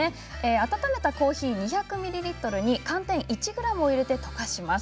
温めたコーヒー２００ミリリットルに寒天１ｇを入れて溶かします。